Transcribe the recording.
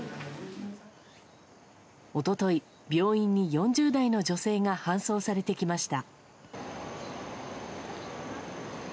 一昨日、病院に４０代の女性が搬送されてきました。